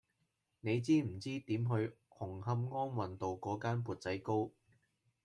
你知唔知點去紅磡安運道嗰間缽仔糕